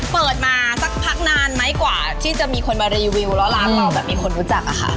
เปิดมาสักพักนานไหมกว่าที่จะมีคนมารีวิวแล้วร้านเราแบบมีคนรู้จักอะค่ะ